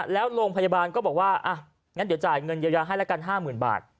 แล้วโรงพยาบาลก็บอกว่าอ่ะงั้นเดี๋ยวจ่ายเงินเยียวยาให้แล้วกัน๕๐๐๐บาท